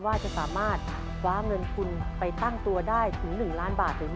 ว่าจะสามารถคว้าเงินทุนไปตั้งตัวได้ถึง๑ล้านบาทหรือไม่